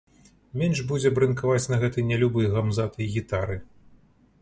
Менш будзе брынкаць на гэтай нялюбай гамзатай гітары.